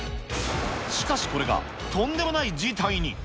しかしこれが、とんでもない事態に。